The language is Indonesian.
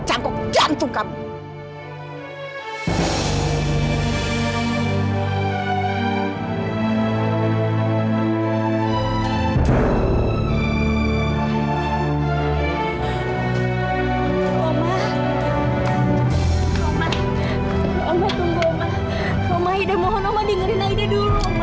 cangkuk jantung kamu